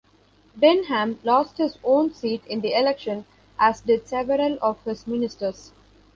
Denham lost his own seat in the election, as did several of his ministers.